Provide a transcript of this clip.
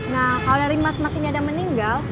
nah kalo dari mas mas ini ada yang meninggal